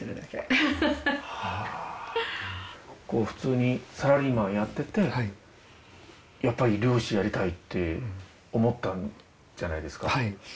普通にサラリーマンやっててやっぱり漁師やりたいって思ったじゃないですか。